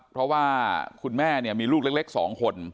เพราะว่าคุณแม่มีลูกเล็ก๒คน